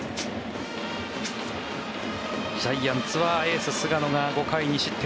ジャイアンツはエース、菅野が５回２失点。